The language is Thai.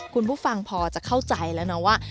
คุณผู้ฟังพอจะเข้าใจแล้วนะว่า